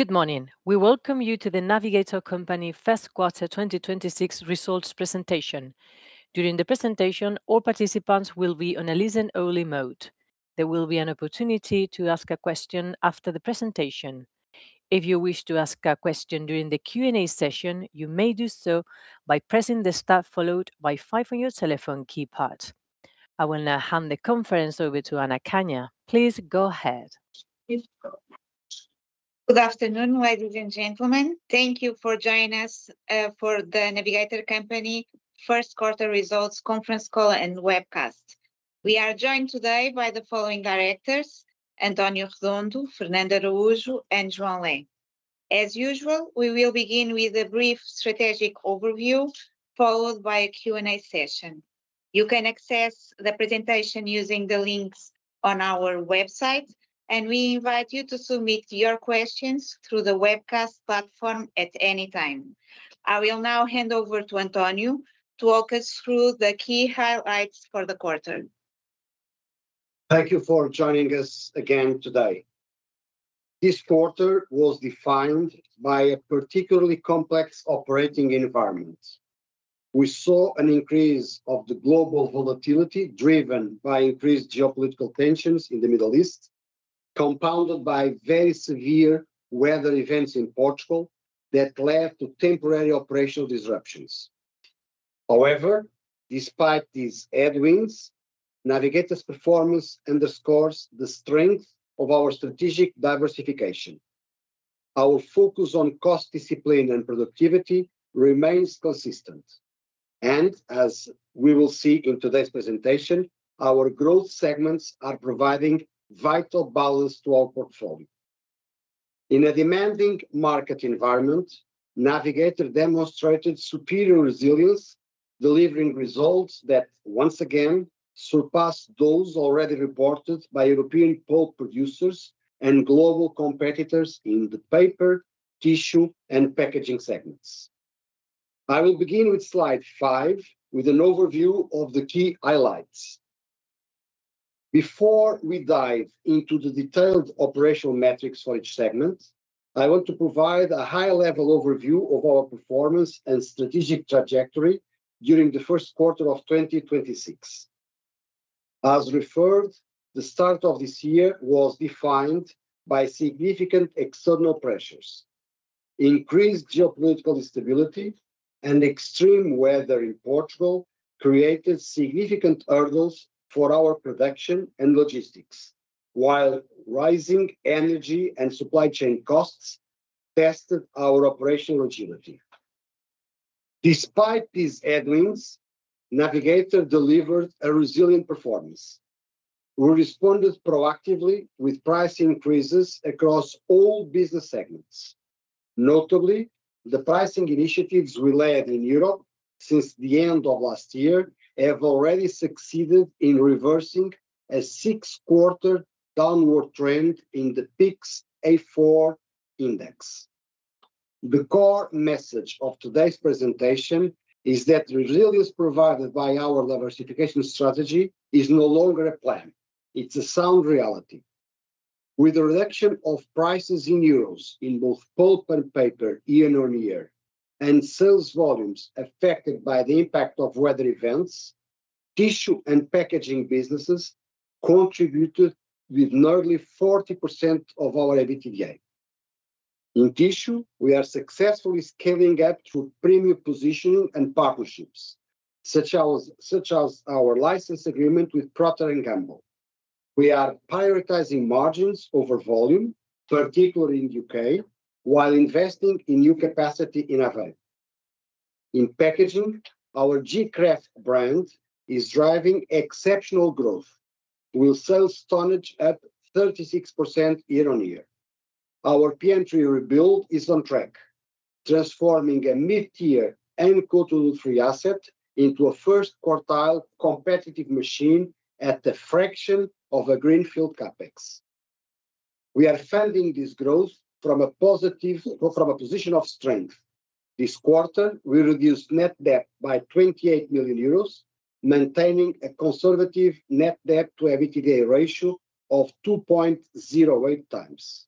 Good morning. We welcome you to The Navigator Company Q1 2026 results presentation. During the presentation, all participants will be on a listen-only mode. There will be an opportunity to ask a question after the presentation. If you wish to ask a question during the Q&A session, you may do so by pressing the star followed by five on your telephone keypad. I will now hand the conference over to Ana Canha. Please go ahead. Good afternoon, ladies and gentlemen. Thank you for joining us for The Navigator Company first quarter results conference call and webcast. We are joined today by the following directors: António Redondo, José Fernando Morais Carreira de Araújo and João Paulo Cabete Gonçalves Lé. As usual, we will begin with a brief strategic overview, followed by a Q&A session. You can access the presentation using the links on our website, and we invite you to submit your questions through the webcast platform at any time. I will now hand over to António to walk us through the key highlights for the quarter. Thank you for joining us again today. This quarter was defined by a particularly complex operating environment. We saw an increase of the global volatility, driven by increased geopolitical tensions in the Middle East, compounded by very severe weather events in Portugal that led to temporary operational disruptions. However, despite these headwinds, Navigator's performance underscores the strength of our strategic diversification. Our focus on cost discipline and productivity remains consistent. As we will see in today's presentation, our growth segments are providing vital balance to our portfolio. In a demanding market environment, Navigator demonstrated superior resilience, delivering results that once again surpassed those already reported by European pulp producers and global competitors in the paper, tissue, and packaging segments. I will begin with slide five with an overview of the key highlights. Before we dive into the detailed operational metrics for each segment, I want to provide a high-level overview of our performance and strategic trajectory during the first quarter of 2026. As referred, the start of this year was defined by significant external pressures. Increased geopolitical instability and extreme weather in Portugal created significant hurdles for our production and logistics, while rising energy and supply chain costs tested our operational agility. Despite these headwinds, Navigator delivered a resilient performance. We responded proactively with price increases across all business segments. Notably, the pricing initiatives we led in Europe since the end of last year have already succeeded in reversing a six-quarter downward trend in the PIX A4 index. The core message of today's presentation is that resilience provided by our diversification strategy is no longer a plan. It's a sound reality. With a reduction of prices in EUR in both pulp and paper year on year and sales volumes affected by the impact of weather events, tissue and packaging businesses contributed with nearly 40% of our EBITDA. In tissue, we are successfully scaling up through premium positioning and partnerships, such as our license agreement with Procter & Gamble. We are prioritizing margins over volume, particularly in U.K., while investing in new capacity in Aveiro. In packaging, our gKRAFT brand is driving exceptional growth. We saw tonnage up 36% year on year. Our PM3 rebuild is on track, transforming a mid-tier and uncoated woodfree asset into a first quartile competitive machine at the fraction of a greenfield CapEx. We are funding this growth from a position of strength. This quarter, we reduced net debt by 28 million euros, maintaining a conservative net debt to EBITDA ratio of 2.08 times.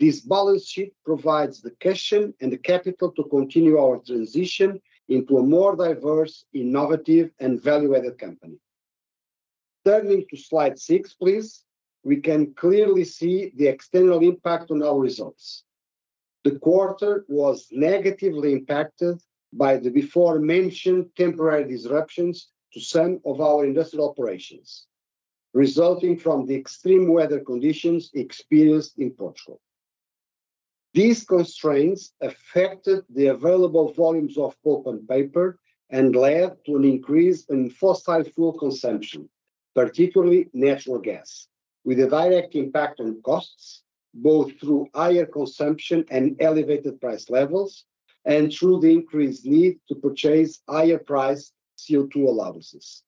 This balance sheet provides the cash and the capital to continue our transition into a more diverse, innovative and value-added company. Turning to slide six, please, we can clearly see the external impact on our results. The quarter was negatively impacted by the before mentioned temporary disruptions to some of our industrial operations, resulting from the extreme weather conditions experienced in Portugal. These constraints affected the available volumes of pulp and paper and led to an increase in fossil fuel consumption, particularly natural gas, with a direct impact on costs both through higher consumption and elevated price levels and through the increased need to purchase higher priced CO2 allowances.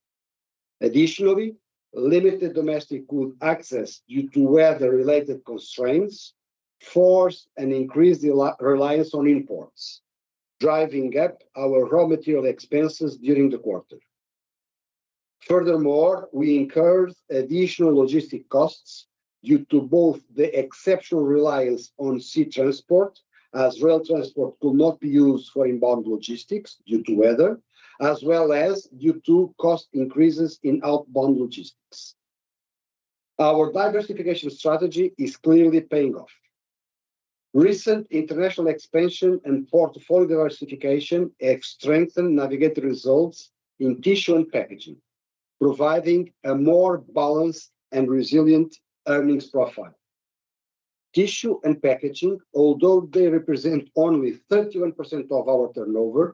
Additionally, limited domestic wood access due to weather-related constraints forced an increased reliance on imports, driving up our raw material expenses during the quarter. Furthermore, we incurred additional logistic costs due to both the exceptional reliance on sea transport, as rail transport could not be used for inbound logistics due to weather, as well as due to cost increases in outbound logistics. Our diversification strategy is clearly paying off. Recent international expansion and portfolio diversification have strengthened Navigator results in tissue and packaging, providing a more balanced and resilient earnings profile. Tissue and packaging, although they represent only 31% of our turnover,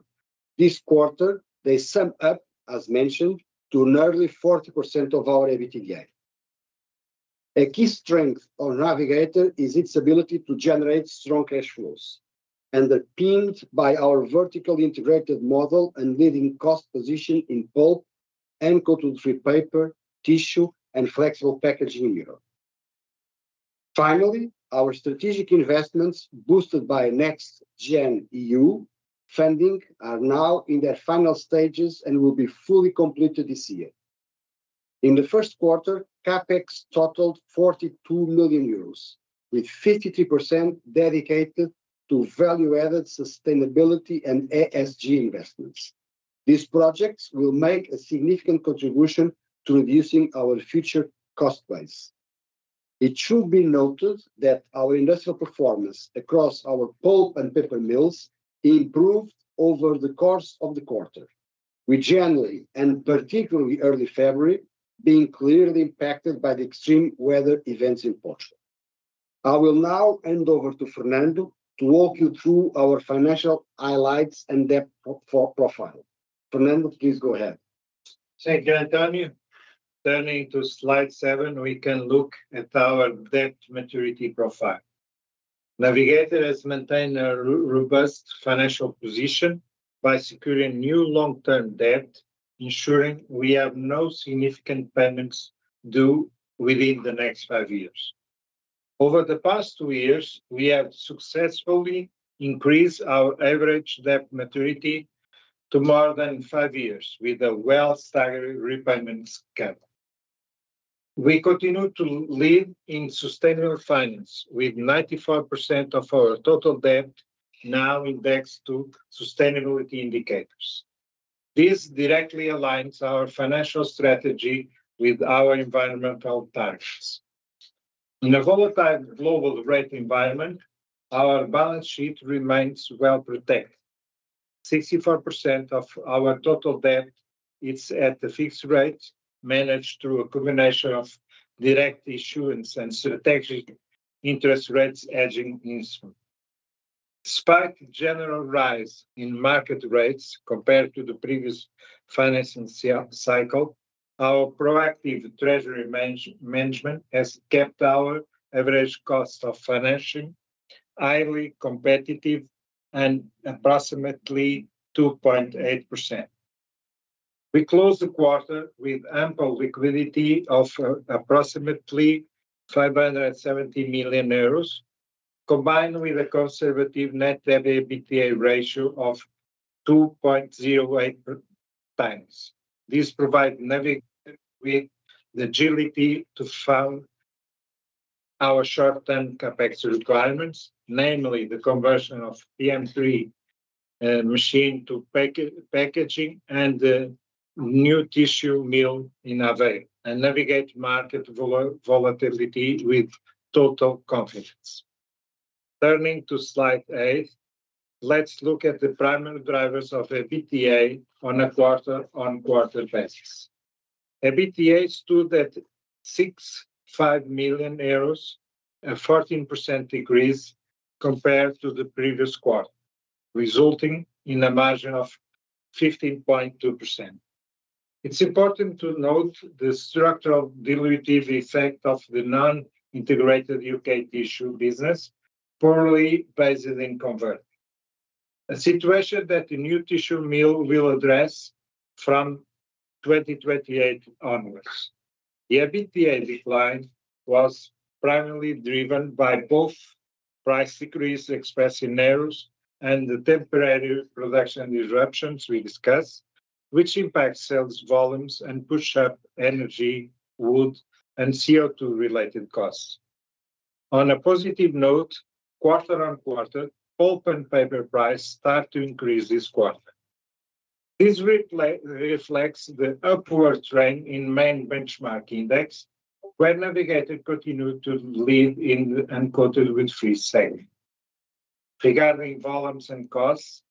this quarter, they sum up, as mentioned, to nearly 40% of our EBITDA. A key strength of Navigator is its ability to generate strong cash flows, underpinned by our vertical integrated model and leading cost position in pulp and uncoated woodfree paper, tissue, and flexible packaging in Europe. Finally, our strategic investments boosted by NextGenerationEU funding are now in their final stages and will be fully completed this year. In the first quarter, CapEx totaled 42 million euros, with 53% dedicated to value-added sustainability and ESG investments. These projects will make a significant contribution to reducing our future cost base. It should be noted that our industrial performance across our pulp and paper mills improved over the course of the quarter, with January, and particularly early February, being clearly impacted by the extreme weather events in Portugal. I will now hand over to Fernando to walk you through our financial highlights and debt profile. Fernando, please go ahead. Thank you, António. Turning to slide seven, we can look at our debt maturity profile. Navigator has maintained a robust financial position by securing new long-term debt, ensuring we have no significant payments due within the next five years. Over the past two years, we have successfully increased our average debt maturity to more than five years with a well-staggered repayment schedule. We continue to lead in sustainable finance, with 94% of our total debt now indexed to sustainability indicators. This directly aligns our financial strategy with our environmental targets. In a volatile global rate environment, our balance sheet remains well-protected. 64% of our total debt is at a fixed rate, managed through a combination of direct issuance and strategic interest rates hedging instruments. Despite the general rise in market rates compared to the previous financing cycle, our proactive treasury management has kept our average cost of financing highly competitive at approximately 2.8%. We closed the quarter with ample liquidity of approximately 570 million euros, combined with a conservative net debt to EBITDA ratio of 2.08 times. This provide Navigator with the agility to fund our short-term CapEx requirements, namely the conversion of PM3 machine to packaging, and the new tissue mill in Aveiro, and navigate market volatility with total confidence. Turning to slide eight, let's look at the primary drivers of EBITDA on a quarter-on-quarter basis. EBITDA stood at 65 million euros, a 14% decrease compared to the previous quarter, resulting in a margin of 15.2%. It's important to note the structural dilutive effect of the non-integrated UK tissue business, formerly based in Accrol, a situation that the new tissue mill will address from 2028 onwards. The EBITDA decline was primarily driven by both price decrease expressed in EUR and the temporary production disruptions we discussed, which impact sales volumes and push up energy, wood, and CO2-related costs. On a positive note, quarter-on-quarter, pulp and paper price start to increase this quarter. This reflects the upward trend in main benchmark index, where Navigator continued to lead in uncoated woodfree sale. Regarding volumes and costs,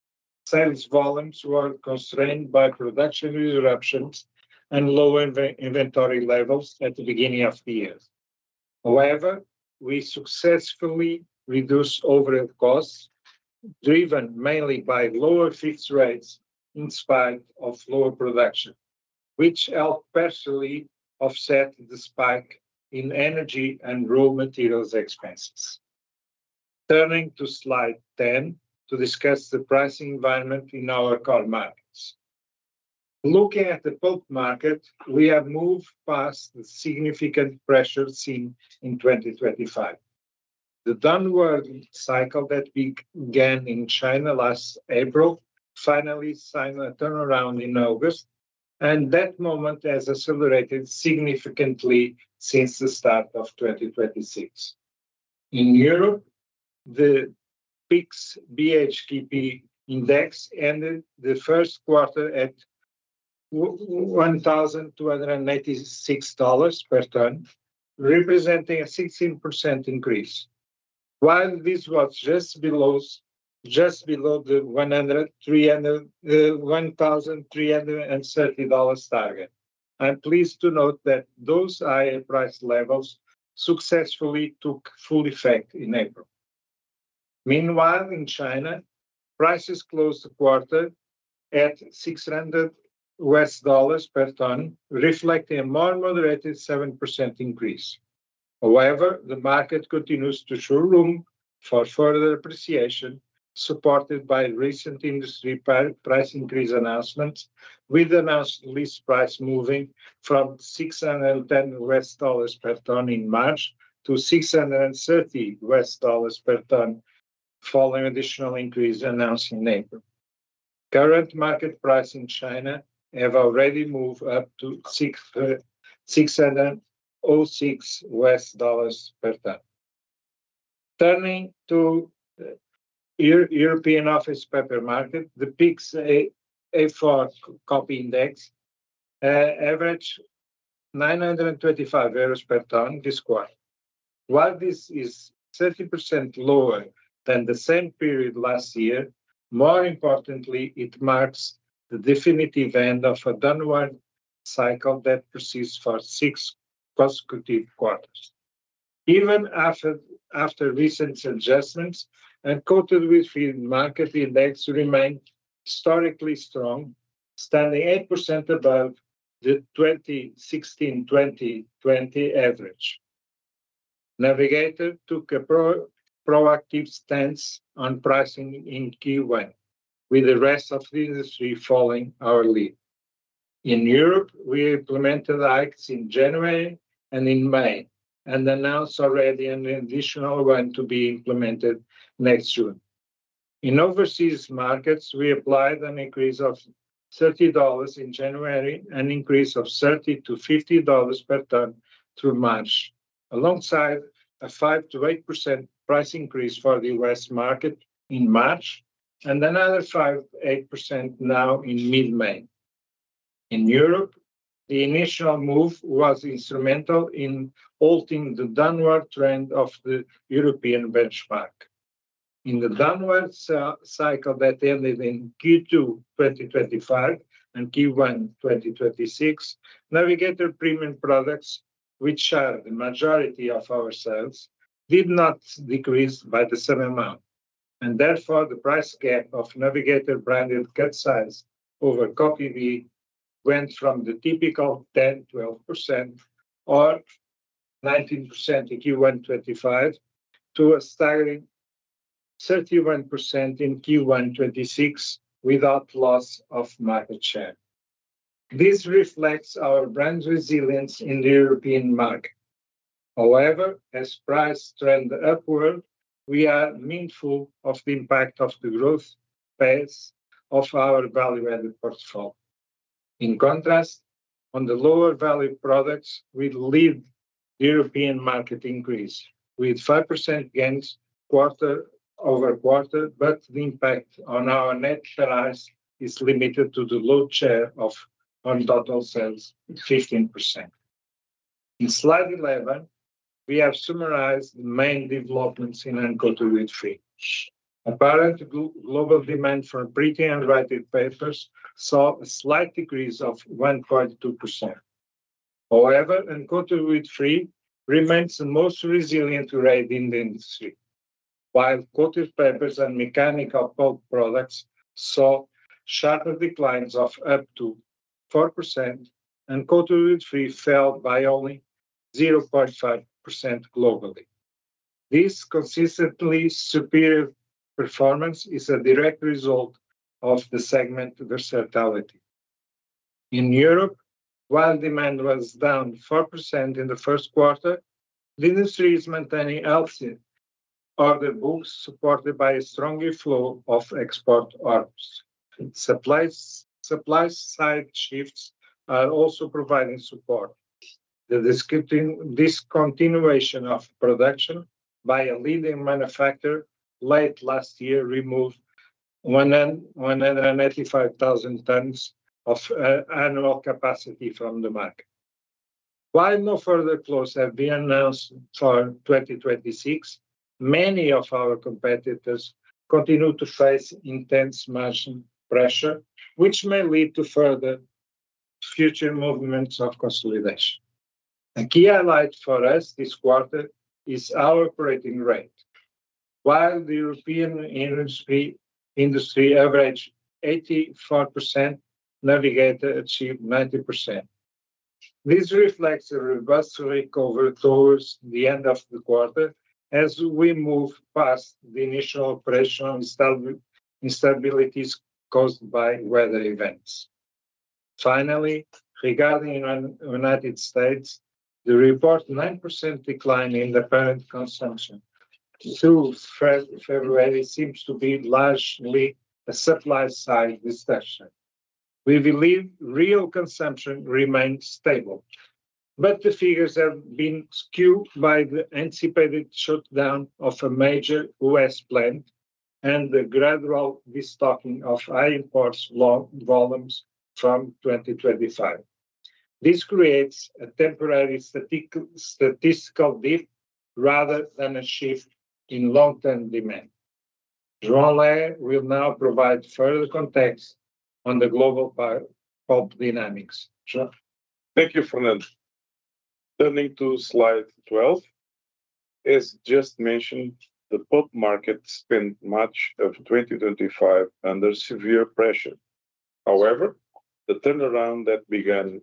sales volumes were constrained by production interruptions and lower inventory levels at the beginning of the year. We successfully reduced overhead costs, driven mainly by lower fixed rates in spite of lower production, which helped partially offset the spike in energy and raw materials expenses. Turning to slide 10 to discuss the pricing environment in our core markets. Looking at the pulp market, we have moved past the significant pressure seen in 2025. The downward cycle that we began in China last April finally signed a turnaround in August, and that moment has accelerated significantly since the start of 2026. In Europe, the PIX BHKP index ended the first quarter at $1,286 per ton, representing a 16% increase. This was just below the $1,330 target, I'm pleased to note that those higher price levels successfully took full effect in April. In China, prices closed the quarter at $600 per ton, reflecting a more moderated 7% increase. However, the market continues to show room for further appreciation, supported by recent industry price increase announcements, with announced list price moving from $610 per ton in March to $630 per ton following additional increase announced in April. Current market price in China have already moved up to $606 per ton. Turning to European office paper market, the PIX A4 copy index average 925 euros per ton this quarter. While this is 30% lower than the same period last year, more importantly, it marks the definitive end of a downward cycle that persists for six consecutive quarters. Even after recent adjustments, uncoated woodfree market index remained historically strong, standing 8% above the 2016/2020 average. Navigator took a proactive stance on pricing in Q1, with the rest of the industry following our lead. In Europe, we implemented hikes in January and in May, and announced already an additional one to be implemented next June. In overseas markets, we applied an increase of EUR 30 in January, an increase of EUR 30-EUR 50 per ton through March, alongside a 5%-8% price increase for the U.S. market in March, and another 5%-8% now in mid-May. In Europe, the initial move was instrumental in halting the downward trend of the European benchmark. In the downward cycle that ended in Q2 2025 and Q1 2026, Navigator premium products, which are the majority of our sales, did not decrease by the same amount. The price gap of Navigator branded cut size over copy B went from the typical 10%, 12% or 19% in Q1 2025 to a staggering 31% in Q1 2026 without loss of market share. This reflects our brand resilience in the European market. As price trend upward, we are mindful of the impact of the growth pace of our value-added portfolio. On the lower value products, we lead the European market increase, with 5% gains quarter-over-quarter, but the impact on our net sales is limited to the low share of on total sales, 15%. In slide 11, we have summarized the main developments in uncoated woodfree. Apparent global demand for printing and writing papers saw a slight decrease of 1.2%. Uncoated woodfree remains the most resilient grade in the industry. While coated papers and mechanical pulp products saw sharper declines of up to 4%, uncoated woodfree fell by only 0.5% globally. This consistently superior performance is a direct result of the segment versatility. In Europe, while demand was down 4% in the first quarter, the industry is maintaining healthy order books supported by a stronger flow of export orders. Supply side shifts are also providing support. The discontinuation of production by a leading manufacturer late last year removed 185,000 tons of annual capacity from the market. While no further close have been announced for 2026, many of our competitors continue to face intense margin pressure, which may lead to further future movements of consolidation. A key highlight for us this quarter is our operating rate. While the European industry averaged 84%, Navigator achieved 90%. This reflects a robust recovery towards the end of the quarter as we move past the initial operational instabilities caused by weather events. Finally, regarding United States, the report 9% decline in apparent consumption through February seems to be largely a supply-side discussion. We believe real consumption remains stable, but the figures have been skewed by the anticipated shutdown of a major U.S. plant and the gradual destocking of high imports volumes from 2025. This creates a temporary statistical dip rather than a shift in long-term demand. João Paulo Cabete Gonçalves Lé will now provide further context on the global pulp dynamics. João? Thank you, Fernando. Turning to Slide 12, as just mentioned, the pulp market spent much of 2025 under severe pressure. However, the turnaround that began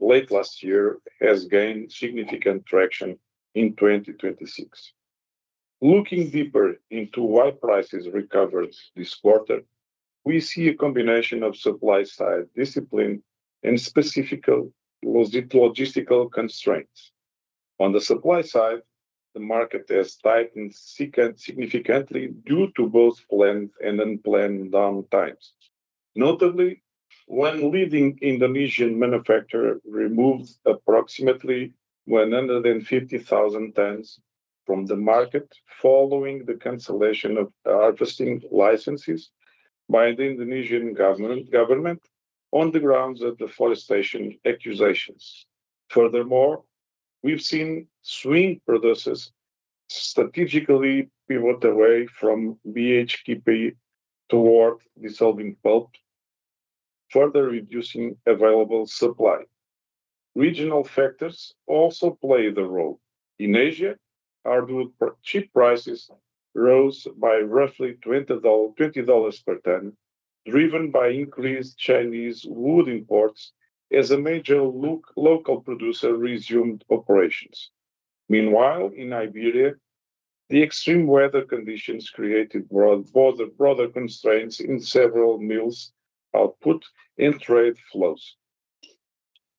late last year has gained significant traction in 2026. Looking deeper into why prices recovered this quarter, we see a combination of supply side discipline and specific logistical constraints. On the supply side, the market has tightened significantly due to both planned and unplanned downtimes. Notably, one leading Indonesian manufacturer removed approximately 150,000 tons from the market following the cancellation of harvesting licenses by the Indonesian government on the grounds of deforestation accusations. Furthermore, we've seen swing producers strategically pivot away from BHKP toward dissolving pulp, further reducing available supply. Regional factors also play the role. In Asia, hardwood chip prices rose by roughly 20 dollars per ton, driven by increased Chinese wood imports as a major local producer resumed operations. Meanwhile, in Iberia, the extreme weather conditions created broader constraints in several mills' output and trade flows.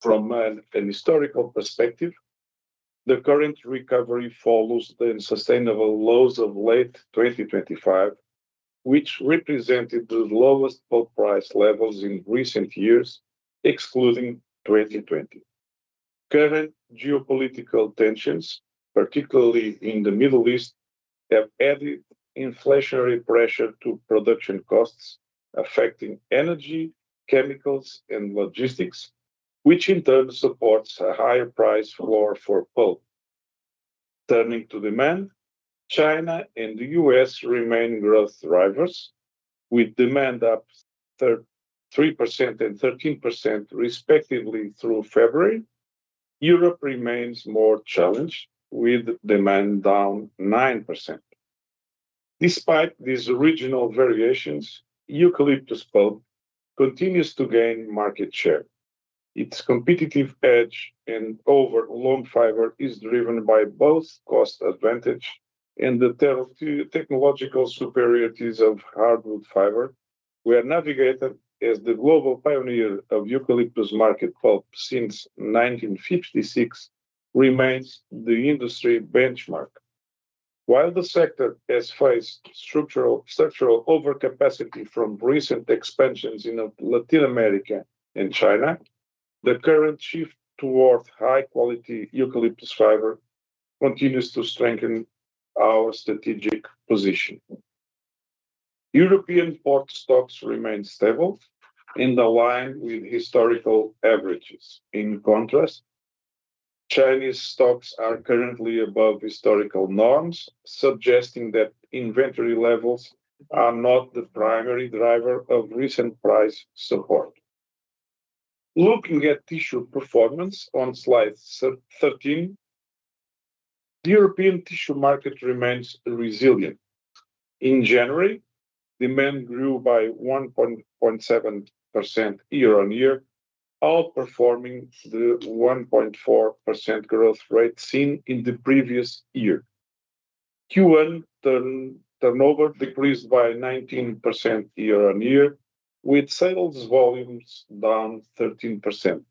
From an historical perspective, the current recovery follows the unsustainable lows of late 2025, which represented the lowest pulp price levels in recent years, excluding 2020. Current geopolitical tensions, particularly in the Middle East, have added inflationary pressure to production costs, affecting energy, chemicals, and logistics, which in turn supports a higher price floor for pulp. Turning to demand, China and the U.S. remain growth drivers, with demand up 3% and 13% respectively through February. Europe remains more challenged, with demand down 9%. Despite these regional variations, eucalyptus pulp continues to gain market share. Its competitive edge in over long fiber is driven by both cost advantage and the technological superiorities of hardwood fiber. We are navigated as the global pioneer of eucalyptus market pulp since 1956 remains the industry benchmark. While the sector has faced structural overcapacity from recent expansions in Latin America and China, the current shift towards high-quality eucalyptus fiber continues to strengthen our strategic position. European port stocks remain stable, in line with historical averages. In contrast, Chinese stocks are currently above historical norms, suggesting that inventory levels are not the primary driver of recent price support. Looking at tissue performance on Slide 13, the European tissue market remains resilient. In January, demand grew by 1.7% year-on-year, outperforming the 1.4% growth rate seen in the previous year. Q1 turnover decreased by 19% year-on-year, with sales volumes down 13%.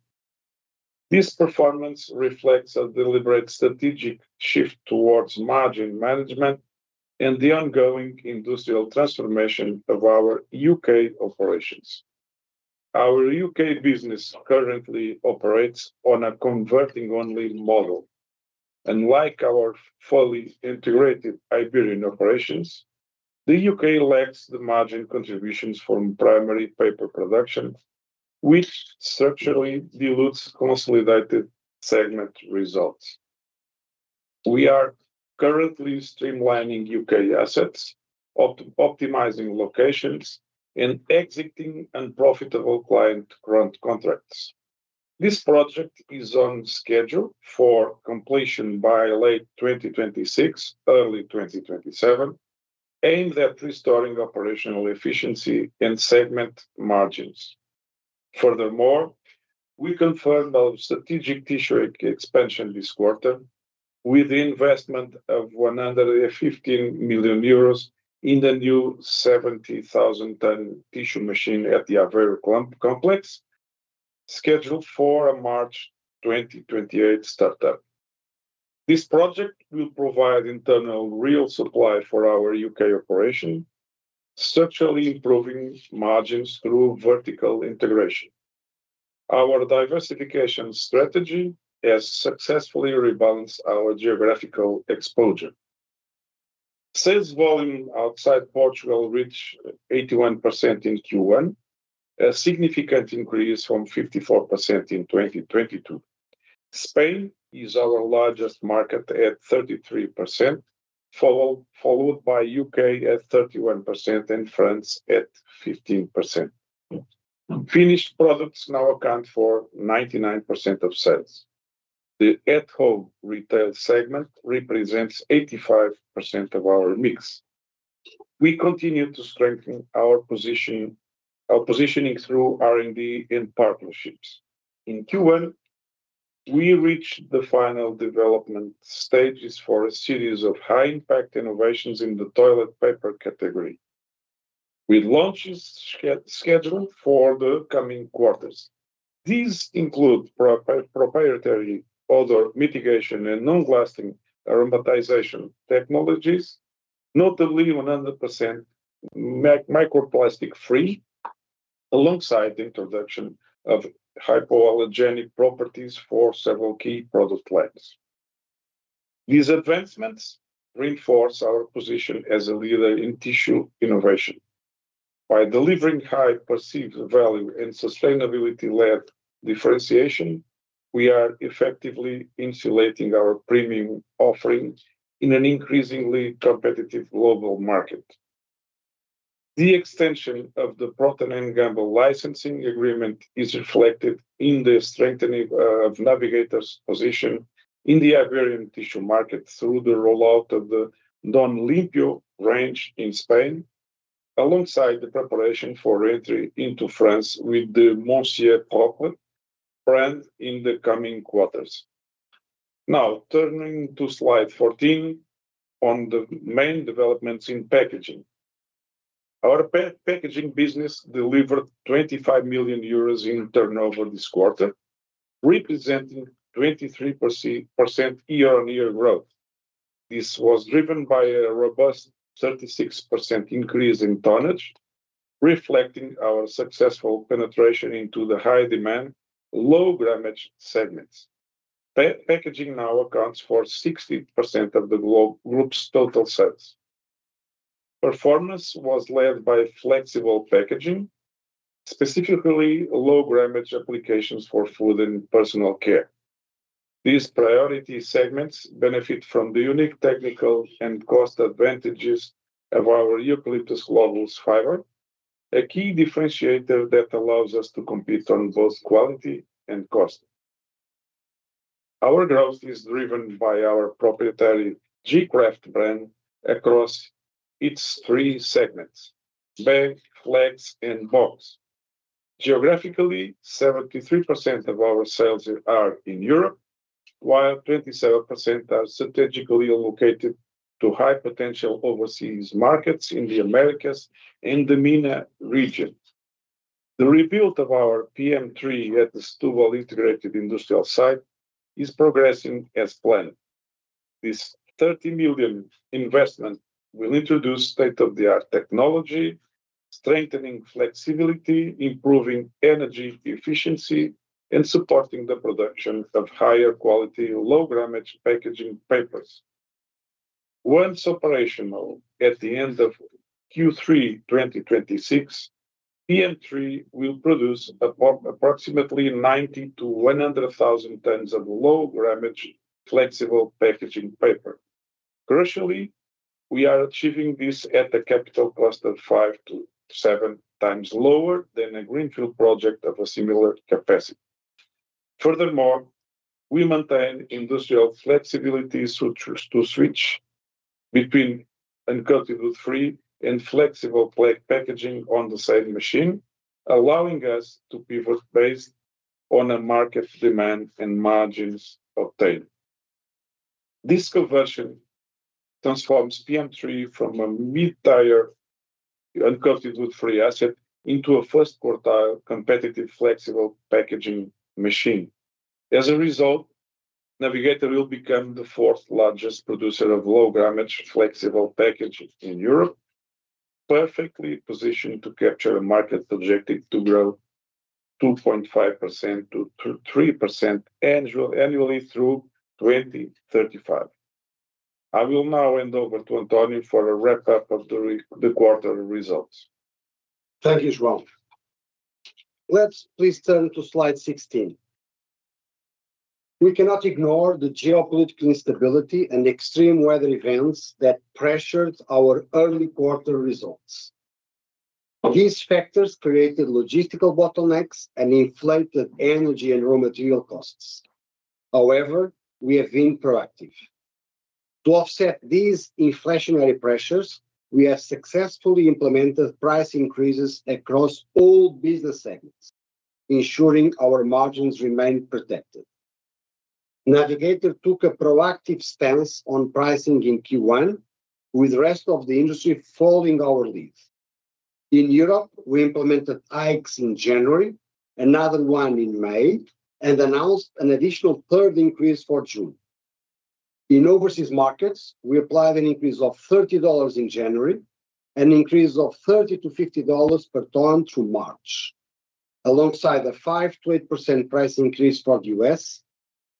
This performance reflects a deliberate strategic shift towards margin management and the ongoing industrial transformation of our U.K. operations. Our U.K. business currently operates on a converting-only model. Unlike our fully integrated Iberian operations, the U.K. lacks the margin contributions from primary paper production, which structurally dilutes consolidated segment results. We are currently streamlining U.K. assets, optimizing locations, and exiting unprofitable client brand contracts. This project is on schedule for completion by late 2026, early 2027, aimed at restoring operational efficiency and segment margins. Furthermore, we confirmed our strategic tissue expansion this quarter with investment of 115 million euros in the new 70,000 ton tissue machine at the Aveiro complex, scheduled for a March 2028 startup. This project will provide internal raw supply for our U.K. operation, structurally improving margins through vertical integration. Our diversification strategy has successfully rebalanced our geographical exposure. Sales volume outside Portugal reached 81% in Q1, a significant increase from 54% in 2022. Spain is our largest market at 33%, followed by U.K. at 31% and France at 15%. Finished products now account for 99% of sales. The at-home retail segment represents 85% of our mix. We continue to strengthen our positioning through R&D and partnerships. In Q1, we reached the final development stages for a series of high-impact innovations in the toilet paper category with launches scheduled for the coming quarters. These include proprietary odor mitigation and long-lasting aromatization technologies, notably 100% microplastic free, alongside the introduction of hypoallergenic properties for several key product lines. These advancements reinforce our position as a leader in tissue innovation. By delivering high perceived value and sustainability-led differentiation, we are effectively insulating our premium offering in an increasingly competitive global market. The extension of the Procter & Gamble licensing agreement is reflected in the strengthening of Navigator's position in the Iberian tissue market through the rollout of the Don Limpio range in Spain, alongside the preparation for re-entry into France with the Monsieur Propre brand in the coming quarters. Now, turning to slide 14 on the main developments in packaging. Our packaging business delivered 25 million euros in turnover this quarter, representing 23% year-on-year growth. This was driven by a robust 36% increase in tonnage, reflecting our successful penetration into the high-demand, low-grammage segments. Pack-packaging now accounts for 60% of the group's total sales. Performance was led by flexible packaging, specifically low grammage applications for food and personal care. These priority segments benefit from the unique technical and cost advantages of our Eucalyptus globulus fiber, a key differentiator that allows us to compete on both quality and cost. Our growth is driven by our proprietary gKRAFT brand across its three segments: BAG, FLEX and BOX. Geographically, 73% of our sales are in Europe, while 27% are strategically allocated to high-potential overseas markets in the Americas and the MENA region. The rebuild of our PM3 at the Setúbal integrated industrial site is progressing as planned. This 30 million investment will introduce state-of-the-art technology, strengthening flexibility, improving energy efficiency, and supporting the production of higher quality, low grammage packaging papers. Once operational at the end of Q3 2026, PM3 will produce approximately 90,000-100,000 tons of low grammage flexible packaging paper. Crucially, we are achieving this at a capital cost that's 5 to 7 times lower than a greenfield project of a similar capacity. Furthermore, we maintain industrial flexibility to switch between uncoated woodfree and flexible packaging on the same machine, allowing us to pivot based on the market demand and margins obtained. This conversion transforms PM3 from a mid-tier uncoated woodfree asset into a first quartile competitive flexible packaging machine. As a result, Navigator will become the fourth largest producer of low grammage flexible packaging in Europe, perfectly positioned to capture a market projected to grow 2.5%-3% annually through 2035. I will now hand over to António for a wrap-up of the quarter results. Thank you, João. Let's please turn to slide 16. We cannot ignore the geopolitical instability and extreme weather events that pressured our early quarter results. These factors created logistical bottlenecks and inflated energy and raw material costs. We have been proactive to offset these inflationary pressures, we have successfully implemented price increases across all business segments, ensuring our margins remain protected. Navigator took a proactive stance on pricing in Q1 with the rest of the industry following our lead. In Europe, we implemented hikes in January, another 1 in May, and announced an additional 3rd increase for June. In overseas markets, we applied an increase of $30 in January, an increase of $30-$50 per ton through March, alongside a 5%-8% price increase for the U.S.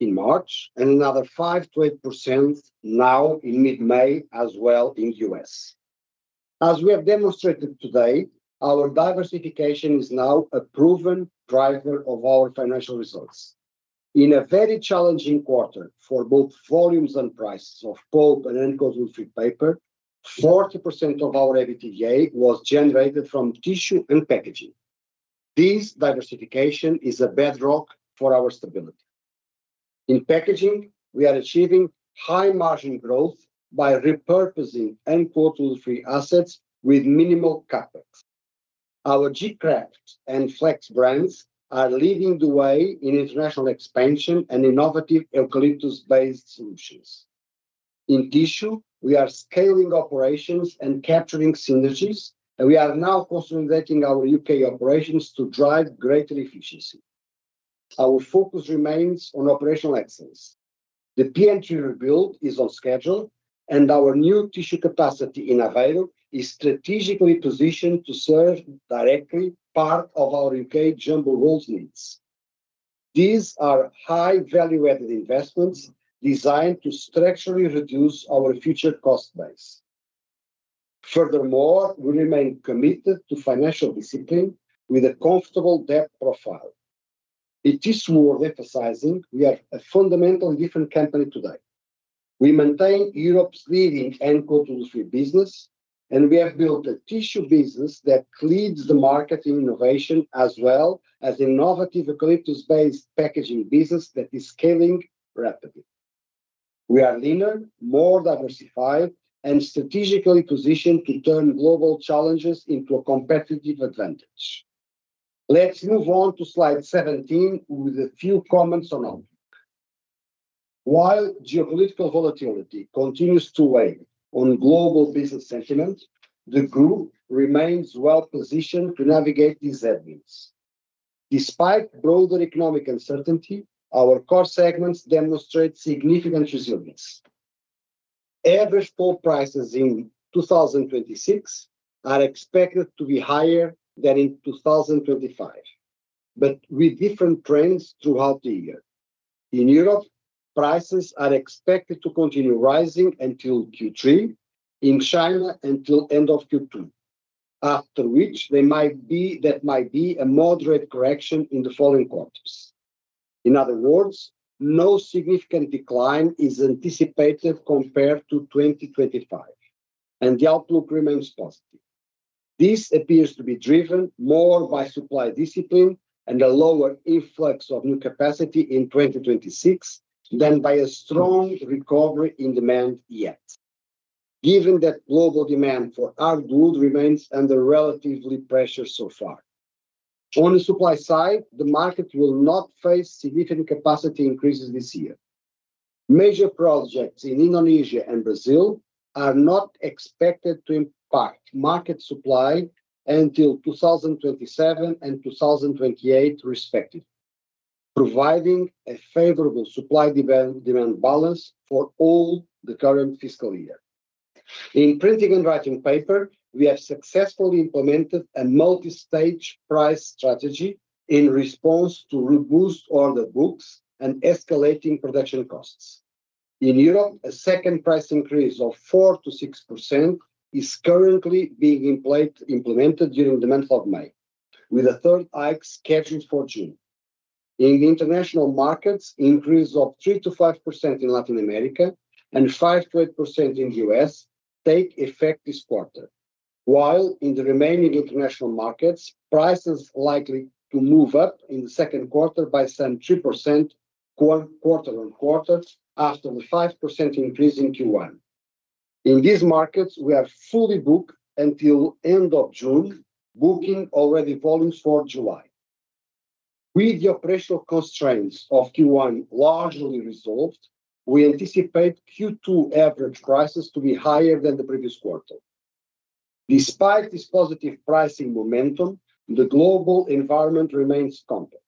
in March, and another 5%-8% now in mid-May as well in U.S. As we have demonstrated today, our diversification is now a proven driver of our financial results. In a very challenging quarter for both volumes and prices of pulp and uncoated woodfree paper, 40% of our EBITDA was generated from tissue and packaging. This diversification is a bedrock for our stability. In packaging, we are achieving high margin growth by repurposing uncoated woodfree assets with minimal CapEx. Our gKRAFT and FLEX brands are leading the way in international expansion and innovative eucalyptus-based solutions. In tissue, we are scaling operations and capturing synergies. We are now consolidating our U.K. operations to drive greater efficiency. Our focus remains on operational excellence. The PM3 rebuild is on schedule. Our new tissue capacity in Aveiro is strategically positioned to serve directly part of our U.K. jumbo rolls needs. These are high value-added investments designed to structurally reduce our future cost base. Furthermore, we remain committed to financial discipline with a comfortable debt profile. It is worth emphasizing we are a fundamentally different company today. We maintain Europe's leading uncoated woodfree business, and we have built a tissue business that leads the market in innovation as well as innovative eucalyptus-based packaging business that is scaling rapidly. We are leaner, more diversified, and strategically positioned to turn global challenges into a competitive advantage. Let's move on to slide 17 with a few comments on outlook. While geopolitical volatility continues to weigh on global business sentiment, the group remains well-positioned to navigate these headwinds. Despite broader economic uncertainty, our core segments demonstrate significant resilience. Average pulp prices in 2026 are expected to be higher than in 2025, but with different trends throughout the year. In Europe, prices are expected to continue rising until Q3, in China until end of Q2, after which there might be a moderate correction in the following quarters. In other words, no significant decline is anticipated compared to 2025, and the outlook remains positive. This appears to be driven more by supply discipline and a lower influx of new capacity in 2026 than by a strong recovery in demand yet, given that global demand for our goods remains under relatively pressure so far. On the supply side, the market will not face significant capacity increases this year. Major projects in Indonesia and Brazil are not expected to impact market supply until 2027 and 2028 respectively, providing a favorable supply-demand balance for all the current fiscal year. In printing and writing paper, we have successfully implemented a multi-stage price strategy in response to robust order books and escalating production costs. In Europe, a second price increase of 4%-6% is currently being implemented during the month of May, with a third hike scheduled for June. In international markets, increase of 3%-5% in Latin America and 5%-8% in U.S. take effect this quarter. In the remaining international markets, prices likely to move up in the second quarter by some 3% quarter-on-quarter after the 5% increase in Q1. In these markets, we are fully booked until end of June, booking already volumes for July. With the operational constraints of Q1 largely resolved, we anticipate Q2 average prices to be higher than the previous quarter. Despite this positive pricing momentum, the global environment remains complex,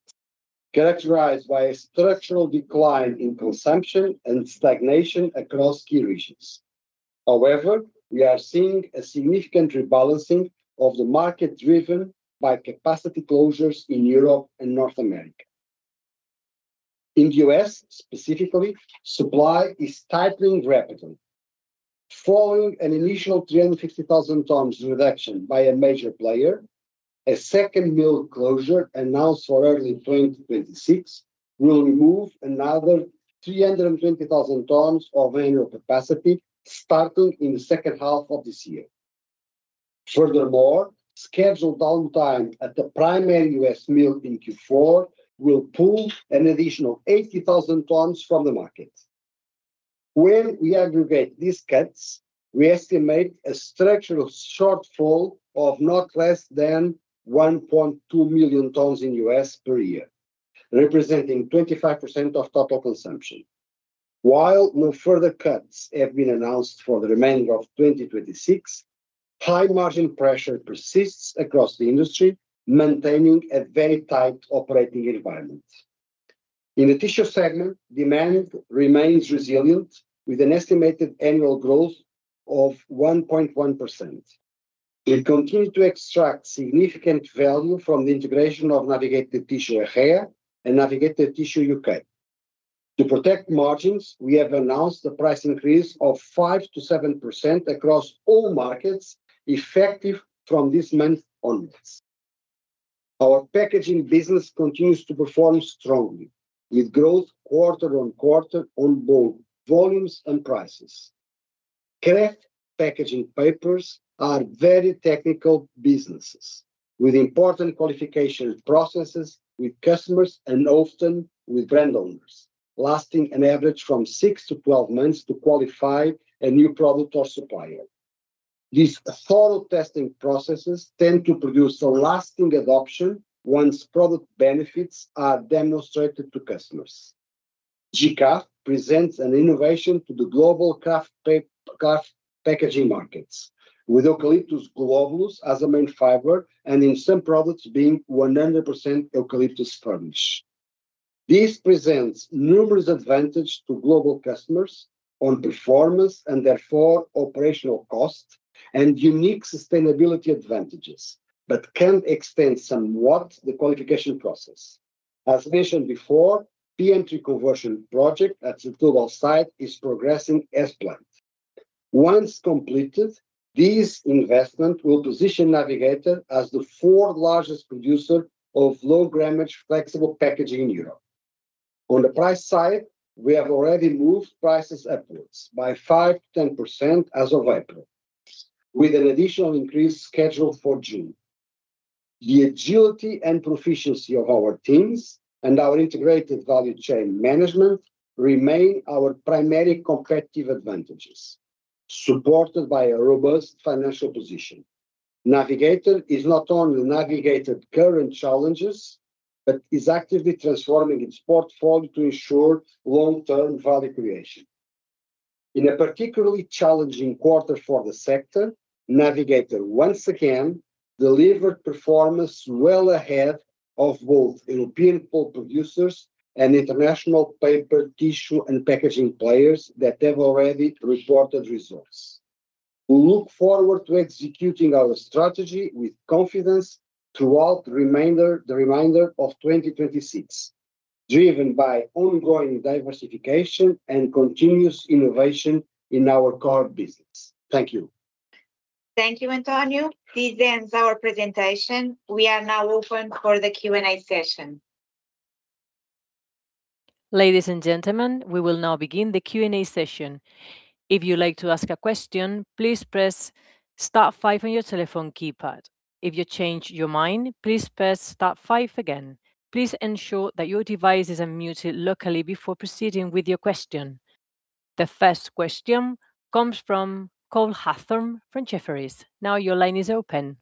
characterized by a structural decline in consumption and stagnation across key regions. We are seeing a significant rebalancing of the market driven by capacity closures in Europe and North America. In the U.S. specifically, supply is tightening rapidly. Following an initial 350,000 tons reduction by a major player, a second mill closure announced for early 2026 will remove another 320,000 tons of annual capacity starting in the second half of this year. Scheduled downtime at the primary U.S. mill in Q4 will pull an additional 80,000 tons from the market. We aggregate these cuts, we estimate a structural shortfall of not less than 1.2 million tons in U.S. per year, representing 25% of total consumption. While no further cuts have been announced for the remainder of 2026, high margin pressure persists across the industry, maintaining a very tight operating environment. In the tissue segment, demand remains resilient with an estimated annual growth of 1.1%. It continues to extract significant value from the integration of Navigator Tissue Aveiro and Navigator Tissue U.K. To protect margins, we have announced a price increase of 5%-7% across all markets, effective from this month onwards. Our packaging business continues to perform strongly with growth quarter-on-quarter on both volumes and prices. Kraft packaging papers are very technical businesses with important qualification processes with customers and often with brand owners, lasting an average from 6-12 months to qualify a new product or supplier. These thorough testing processes tend to produce a lasting adoption once product benefits are demonstrated to customers. GKRAFT presents an innovation to the global Kraft packaging markets, with Eucalyptus globulus as a main fiber, and in some products being 100% eucalyptus furnish. This presents numerous advantage to global customers on performance, and therefore operational cost, and unique sustainability advantages, but can extend somewhat the qualification process. As mentioned before, PM3 conversion project at Setúbal site is progressing as planned. Once completed, this investment will position Navigator as the fourth largest producer of low-grammage flexible packaging in Europe. On the price side, we have already moved prices upwards by 5%-10% as of April, with an additional increase scheduled for June. The agility and proficiency of our teams and our integrated value chain management remain our primary competitive advantages, supported by a robust financial position. Navigator is not only navigated current challenges, but is actively transforming its portfolio to ensure long-term value creation. In a particularly challenging quarter for the sector, Navigator once again delivered performance well ahead of both European pulp producers and international paper tissue and packaging players that have already reported results. We look forward to executing our strategy with confidence throughout the remainder of 2026, driven by ongoing diversification and continuous innovation in our core business. Thank you. Thank you, António. This ends our presentation. We are now open for the Q&A session. Ladies and gentlemen, we will now begin the Q&A session. The first question comes from Cole Hathorn from Jefferies. Now your line is open.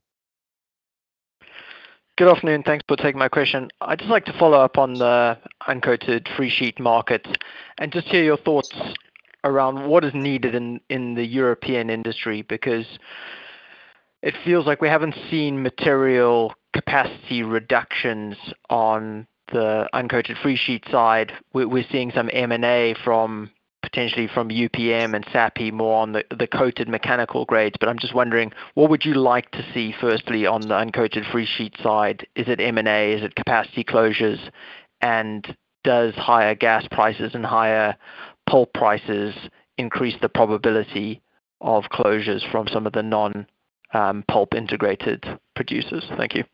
Good afternoon. Thanks for taking my question. I'd just like to follow up on the uncoated free sheet market and just hear your thoughts around what is needed in the European industry, because it feels like we haven't seen material capacity reductions on the uncoated free sheet side. We're seeing some M&A from, potentially from UPM and Sappi more on the coated mechanical grades. But I'm just wondering, what would you like to see firstly on the uncoated free sheet side? Is it M&A? Is it capacity closures? And does higher gas prices and higher pulp prices increase the probability of closures from some of the non-pulp integrated producers? Thank you.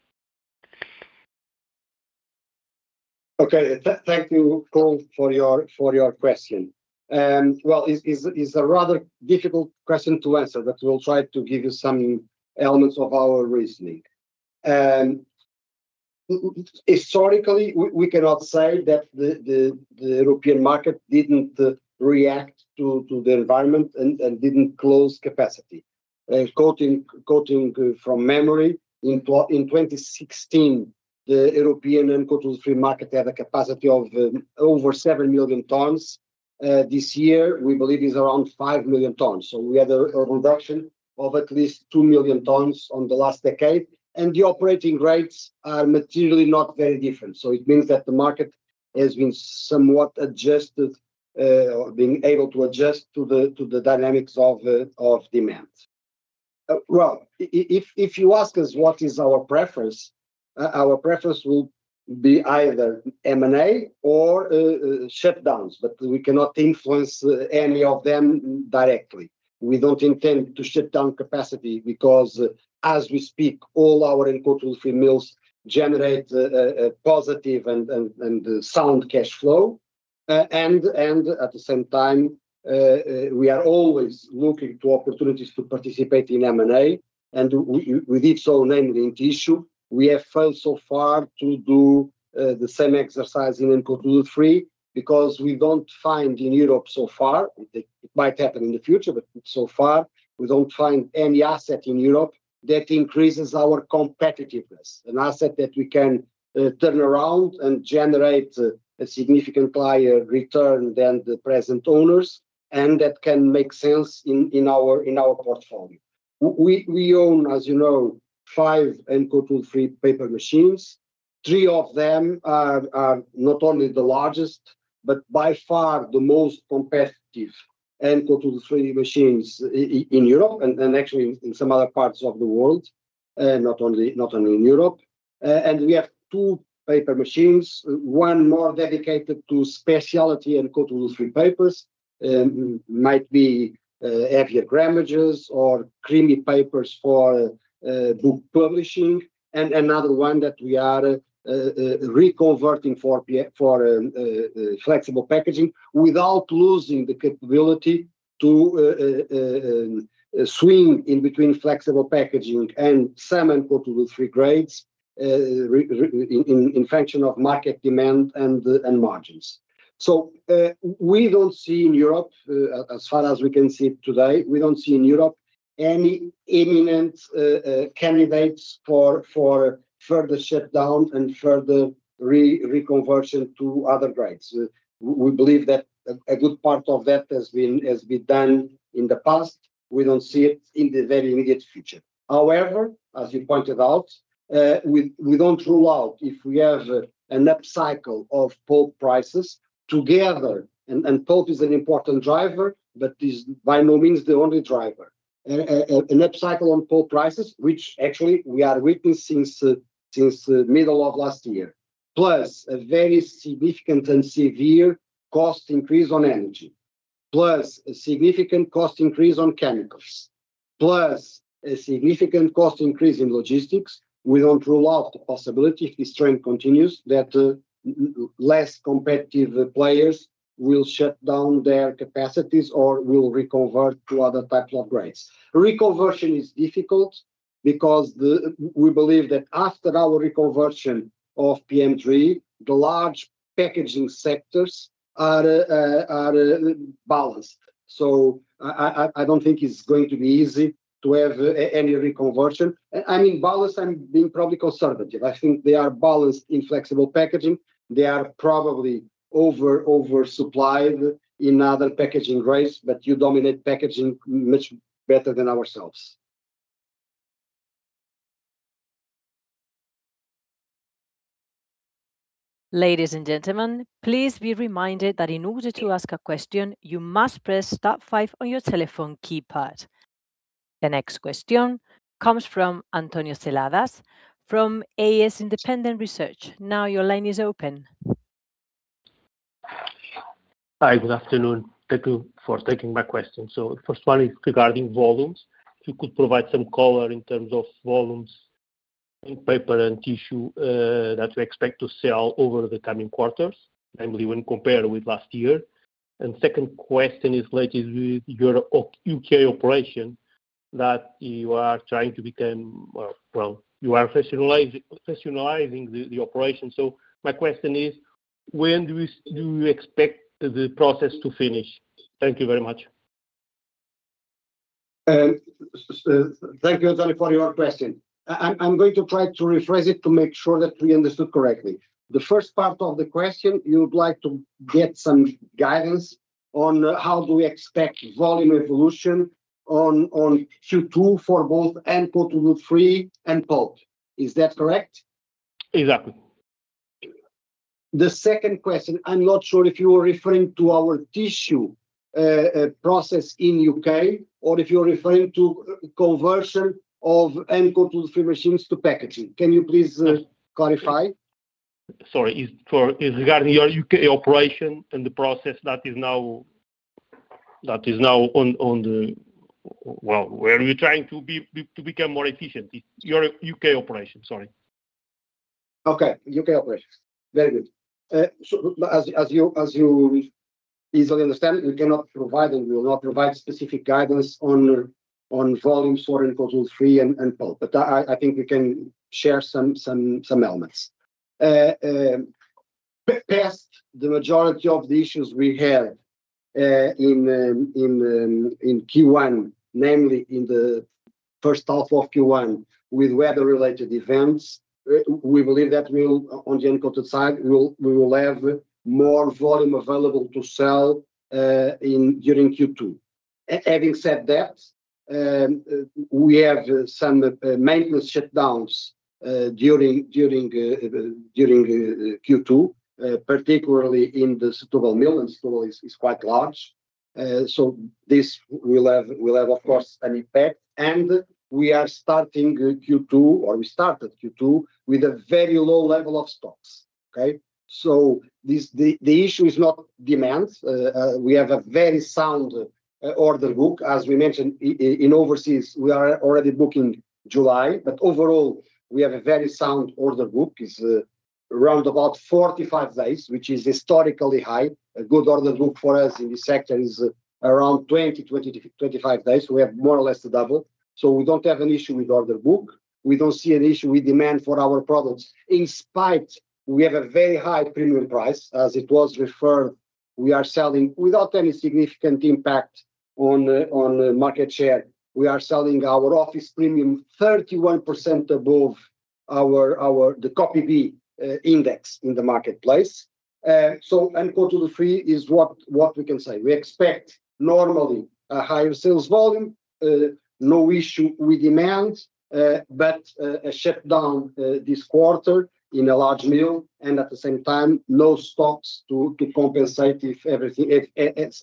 Okay. Thank you, Cole, for your question. Well, is a rather difficult question to answer, but we'll try to give you some elements of our reasoning. Historically, we cannot say that the European market didn't react to the environment and didn't close capacity. Quoting from memory, in 2016, the European uncoated woodfree market had a capacity of over 7 million tons. This year, we believe is around 5 million tons. We had a reduction of at least 2 million tons on the last decade, and the operating rates are materially not very different. It means that the market has been somewhat adjusted or been able to adjust to the dynamics of demand. If you ask us what is our preference, our preference will be either M&A or shutdowns, but we cannot influence any of them directly. We don't intend to shut down capacity because, as we speak, all our uncoated woodfree mills generate a positive and sound cash flow. At the same time, we are always looking to opportunities to participate in M&A, and we did so namely in tissue. We have failed so far to do the same exercise in uncoated woodfree, because we don't find in Europe so far, it might happen in the future, but so far we don't find any asset in Europe that increases our competitiveness. An asset that we can turn around and generate a significant higher return than the present owners, and that can make sales in our portfolio. We own, as you know, five uncoated woodfree paper machines. Three of them are not only the largest, but by far the most competitive uncoated woodfree machines in Europe and actually in some other parts of the world, not only in Europe. We have two paper machines, one more dedicated to specialty uncoated woodfree papers, might be heavier grammages or creamy papers for book publishing. Another one that we are reconverting for flexible packaging without losing the capability to swing in between flexible packaging and some uncoated woodfree grades in function of market demand and margins. We don't see in Europe, as far as we can see today, we don't see in Europe any imminent candidates for further shutdown and further reconversion to other grades. We believe that a good part of that has been done in the past. We don't see it in the very immediate future. However, as you pointed out, we don't rule out if we have an upcycle of pulp prices together, and pulp is an important driver, but is by no means the only driver. An upcycle on pulp prices, which actually we are witnessing since the middle of last year, plus a very significant and severe cost increase on energy, plus a significant cost increase on chemicals, plus a significant cost increase in logistics. We don't rule out the possibility if the trend continues that less competitive players will shut down their capacities or will reconvert to other type of grades. Reconversion is difficult because the, we believe that after our reconversion of PM3, the large packaging sectors are balanced. I, I don't think it's going to be easy to have any reconversion. I mean, balanced, I'm being probably conservative. I think they are balanced in flexible packaging. They are probably over-supplied in other packaging grades, but you dominate packaging much better than ourselves. Ladies and gentlemen, please be reminded that in order to ask a question, you must press star five on your telephone keypad. The next question comes from António Seladas from AS Independent Research. Now your line is open. Hi, good afternoon. Thank you for taking my question. First one is regarding volumes. If you could provide some color in terms of volumes in paper and tissue that we expect to sell over the coming quarters, namely when compared with last year. Second question is related with your U.K. operation that you are trying to become, well, you are professionalizing the operation. My question is, when do you expect the process to finish? Thank you very much. Thank you, António, for your question. I'm going to try to rephrase it to make sure that we understood correctly. The first part of the question, you would like to get some guidance on how do we expect volume evolution on Q2 for both N-code 2, 3 and pulp. Is that correct? Exactly. The second question, I'm not sure if you are referring to our tissue process in U.K. or if you're referring to conversion of PM 2, 3 machines to packaging. Can you please clarify? Sorry, it's regarding your U.K. operation and the process that is now on, where you're trying to become more efficient, your U.K. operation. Sorry. Okay, U.K. operation. Very good. As you easily understand, we cannot provide and will not provide specific guidance on volumes for N-code 2, 3 and pulp, but I think we can share some elements. Past the majority of the issues we had in Q1, namely in the first half of Q1 with weather-related events, we believe that we'll, on the uncoated side, we will have more volume available to sell in during Q2. Having said that, we have some maintenance shutdowns during Q2, particularly in the Setúbal mill, and Setúbal is quite large. This will have of course an impact and we are starting Q2, or we started Q2 with a very low level of stocks. Okay? This, the issue is not demand. We have a very sound order book. As we mentioned in overseas, we are already booking July, but overall we have a very sound order book. Around about 45 days, which is historically high. A good order book for us in this sector is around 20 to 25 days. We have more or less than double, so we don't have an issue with order book. We don't see an issue with demand for our products, in spite, we have a very high premium price, as it was referred, we are selling without any significant impact on the market share. We are selling our office premium 31% above our, the copy B index in the marketplace. Quarter 3 is what we can say. We expect normally a higher sales volume, no issue with demand, a shutdown this quarter in a large mill and at the same time low stocks to compensate if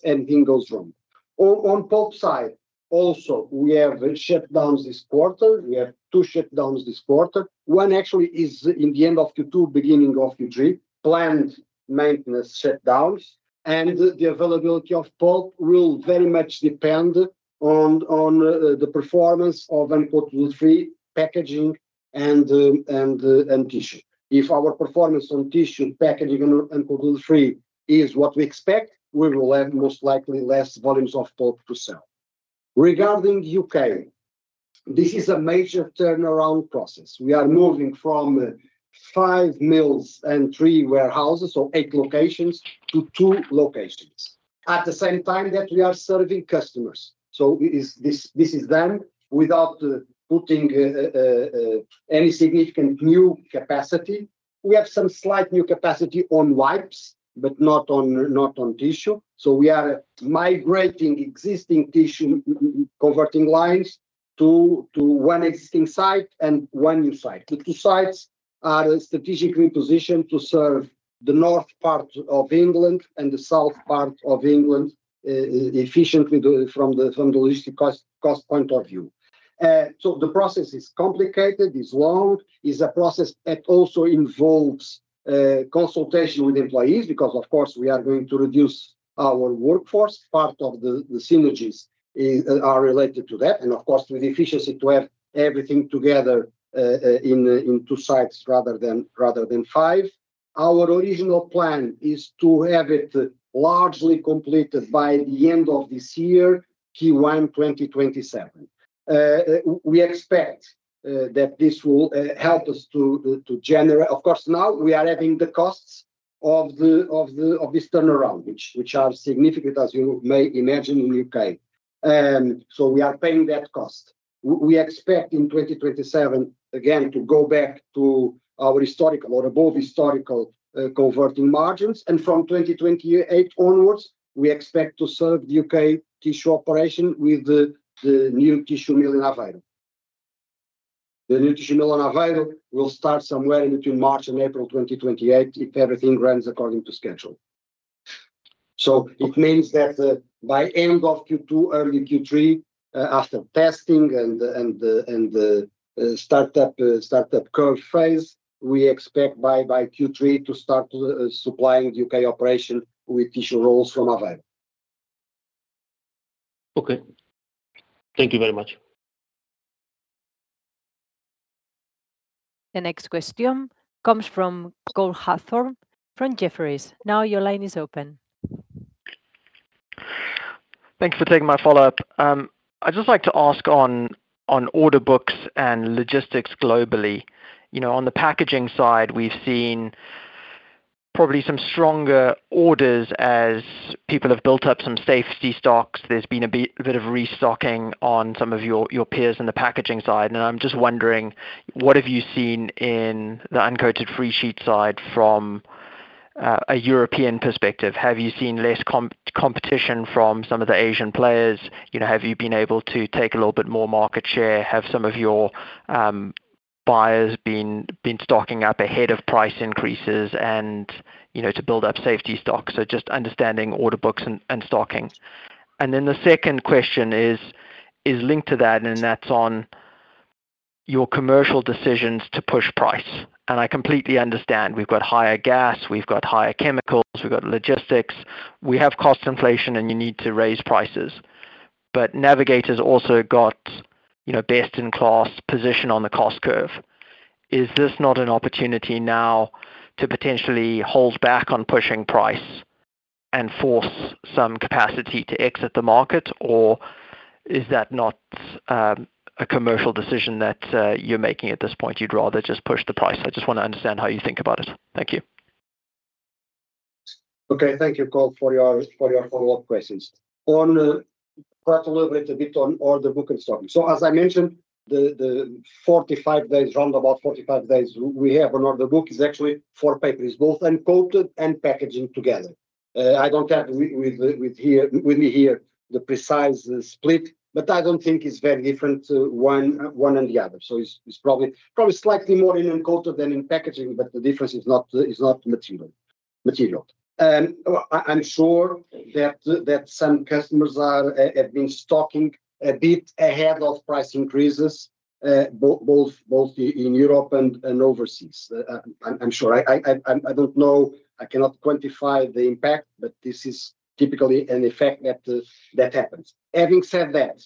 anything goes wrong. On pulp side, also we have shutdowns this quarter. We have two shutdowns this quarter. One actually is in the end of Q2, beginning of Q3, planned maintenance shutdowns, the availability of pulp will very much depend on the performance of uncoated woodfree packaging and tissue. If our performance on tissue packaging and uncoated woodfree is what we expect, we will have most likely less volumes of pulp to sell. Regarding U.K., this is a major turnaround process. We are moving from five mills and three warehouses, so eight locations, to two locations at the same time that we are serving customers. This is done without putting any significant new capacity. We have some slight new capacity on wipes, but not on tissue. We are migrating existing tissue converting lines to one existing site and one new site. The two sites are strategically positioned to serve the north part of England and the south part of England efficiently from the logistic cost point of view. The process is complicated, is long. It is a process that also involves consultation with employees because, of course, we are going to reduce our workforce. Part of the synergies are related to that and of course, with efficiency to have everything together in two sites rather than 5. Our original plan is to have it largely completed by the end of this year, Q1 2027. We expect that this will help us to generate, of course now we are having the costs of this turnaround, which are significant, as you may imagine, in U.K. So we are paying that cost. We expect in 2027, again, to go back to our historical or above historical converting margins. From 2028 onwards, we expect to serve the U.K. tissue operation with the new tissue mill in Aveiro. The new tissue mill in Aveiro will start somewhere in between March and April 2028 if everything runs according to schedule. It means that, by end of Q2, early Q3, after testing and the startup curve phase, we expect by Q3 to start supplying U.K. operation with tissue rolls from Aveiro. Okay. Thank you very much. The next question comes from Cole Hathorn from Jefferies. Thanks for taking my follow-up. I'd just like to ask on order books and logistics globally. You know, on the packaging side, we've seen probably some stronger orders as people have built up some safety stocks. There's been a bit of restocking on some of your peers in the packaging side, and I'm just wondering, what have you seen in the uncoated free sheet side from a European perspective? Have you seen less competition from some of the Asian players? You know, have you been able to take a little bit more market share? Have some of your buyers been stocking up ahead of price increases and, you know, to build up safety stocks? Just understanding order books and stocking. The second question is linked to that, and that's on your commercial decisions to push price. I completely understand. We've got higher gas, we've got higher chemicals, we've got logistics, we have cost inflation, and you need to raise prices. Navigator's also got, you know, best in class position on the cost curve. Is this not an opportunity now to potentially hold back on pushing price and force some capacity to exit the market? Or is that not a commercial decision that you're making at this point, you'd rather just push the price? I just want to understand how you think about it. Thank you. Thank you, Cole, for your follow-up questions. A bit on order book and stocking. As I mentioned, the round about 45 days we have on order book is actually for papers, both uncoated and packaging together. I don't have with me here the precise split, but I don't think it's very different to one and the other. It's probably slightly more in uncoated than in packaging, but the difference is not material. I'm sure that some customers have been stocking a bit ahead of price increases, both in Europe and overseas. I'm sure. I don't know. I cannot quantify the impact, this is typically an effect that happens. Having said that,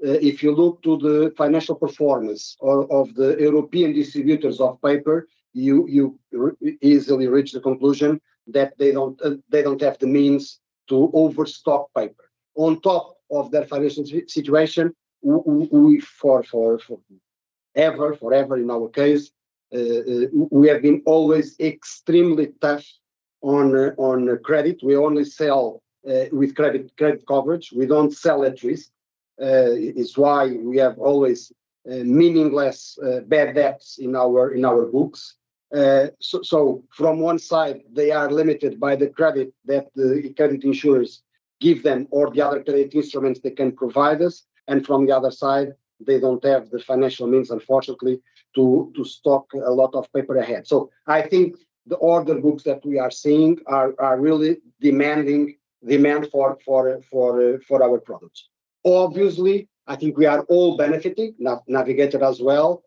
if you look to the financial performance of the European distributors of paper, you easily reach the conclusion that they don't, they don't have the means to overstock paper. On top of that financial situation, we forever in our case, we have been always extremely tough on credit. We only sell with credit coverage. We don't sell at risk. It's why we have always meaningless bad debts in our books. So from one side they are limited by the credit that the current insurers give them, or the other credit instruments they can provide us. From the other side, they don't have the financial means, unfortunately, to stock a lot of paper ahead. I think the order books that we are seeing are really demanding demand for our products. Obviously, I think we are all benefiting, Navigator as well,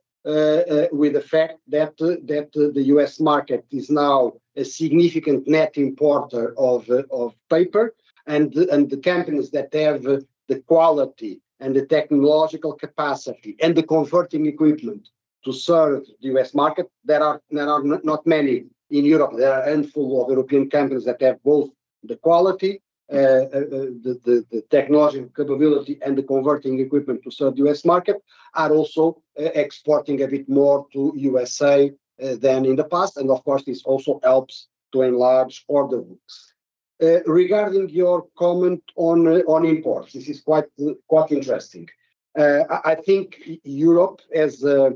with the fact that the U.S. market is now a significant net importer of paper. The companies that have the quality and the technological capacity and the converting equipment to serve the U.S. market, there are not many in Europe. There are a handful of European companies that have both the quality, the technology capability and the converting equipment to serve the U.S. market, are also exporting a bit more to U.S.A. than in the past. Of course, this also helps to enlarge order books. Regarding your comment on imports, this is quite interesting. I think Europe has a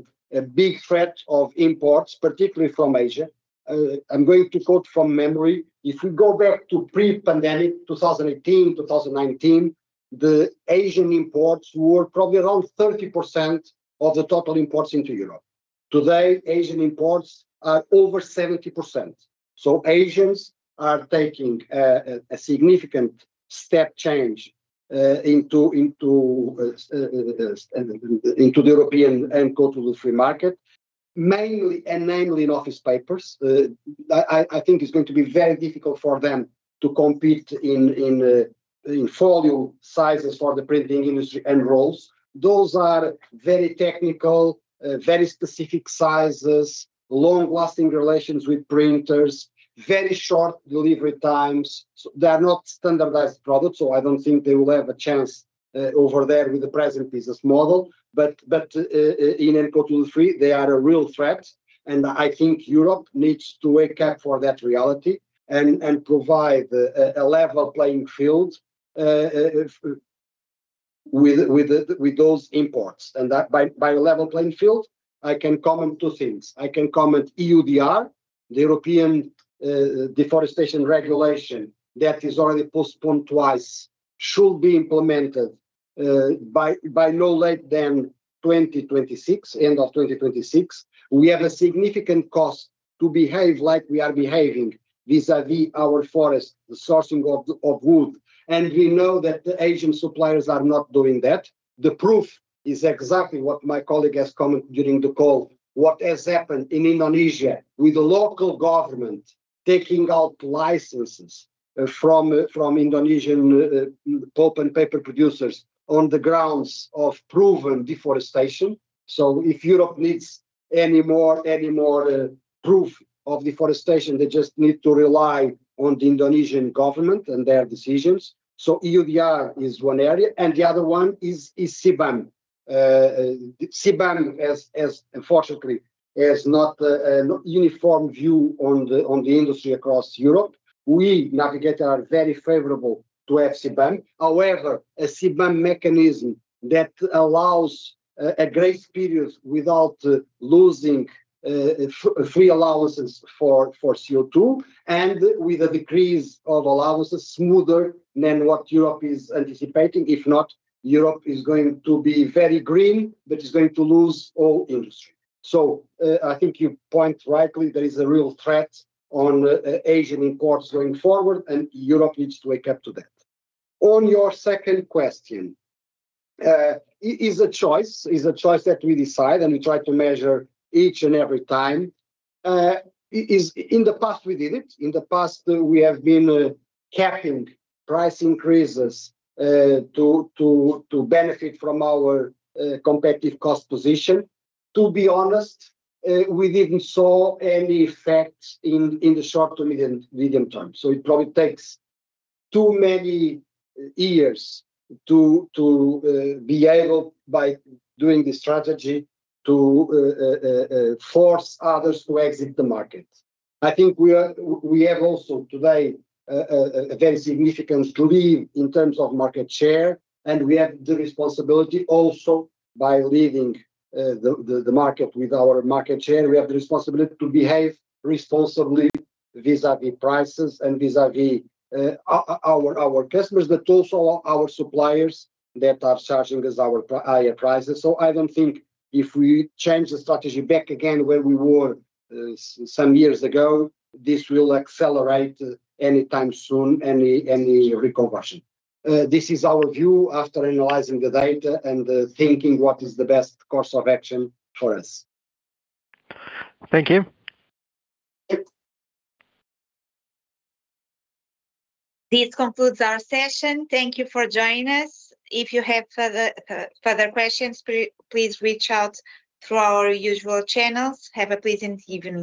big threat of imports, particularly from Asia. I'm going to quote from memory. If we go back to pre-pandemic, 2018, 2019, the Asian imports were probably around 30% of the total imports into Europe. Today, Asian imports are over 70%. Asians are taking a significant step change into the European uncoated woodfree market, mainly and namely in office papers. I think it's going to be very difficult for them to compete in folio sizes for the printing industry and rolls. Those are very technical, very specific sizes, long-lasting relations with printers, very short delivery times. They are not standardized products, so I don't think they will have a chance over there with the present business model. In A4 cut-size they are a real threat, and I think Europe needs to wake up for that reality and provide a level playing field if with those imports. That by level playing field, I can comment two things. I can comment EUDR, the European Deforestation Regulation that is already postponed twice, should be implemented by no later than 2026, end of 2026. We have a significant cost to behave like we are behaving vis-a-vis our forest, the sourcing of wood, and we know that the Asian suppliers are not doing that. The proof is exactly what my colleague has commented during the call. What has happened in Indonesia with the local government taking out licenses from Indonesian pulp and paper producers on the grounds of proven deforestation. If Europe needs any more proof of deforestation, they just need to rely on the Indonesian government and their decisions. EUDR is one area, and the other one is CBAM. CBAM has unfortunately, not a uniform view on the industry across Europe. We Navigator are very favorable to CBAM. However, a CBAM mechanism that allows a grace period without losing free allowances for CO2, and with a decrease of allowances smoother than what Europe is anticipating. If not, Europe is going to be very green, but it's going to lose all industry. I think you point rightly there is a real threat on Asian imports going forward, and Europe needs to wake up to that. On your second question, it is a choice, is a choice that we decide, and we try to measure each and every time. In the past we did it. In the past we have been capping price increases to benefit from our competitive cost position. To be honest, we didn't see any effects in the short to medium term. It probably takes too many years to be able by doing this strategy to force others to exit the market. I think we are, we have also today a very significant lead in terms of market share, and we have the responsibility also by leading the market with our market share. We have the responsibility to behave responsibly vis-a-vis prices and vis-a-vis our customers, but also our suppliers that are charging us our higher prices. I don't think if we change the strategy back again where we were some years ago, this will accelerate any time soon, any reconversion. This is our view after analyzing the data and thinking what is the best course of action for us. Thank you. This concludes our session. Thank you for joining us. If you have further questions, please reach out through our usual channels. Have a pleasant evening.